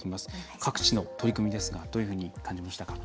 各地の取り組みですがどういうふうに感じましたか？